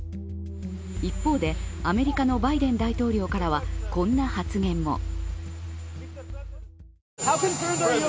一方で、アメリカのバイデン大統領からは、こんな発言も。